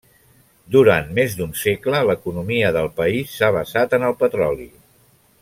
Durant més d'un segle l'economia del país s'ha basat en el petroli.